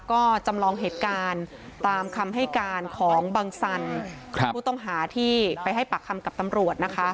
ก็จำลองเหตุการณ์ตามคำให้การของบังสันผู้ต้องหาที่ไปให้ปากคำกับตำรวจนะคะ